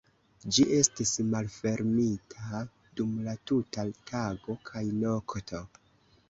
Ĝi estis malfermita dum la tuta tago kaj nokto.